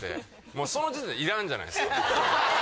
もうその時点でいらんじゃないですか。